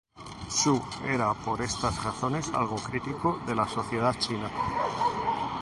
Xu era por estas razones algo crítico de la sociedad china.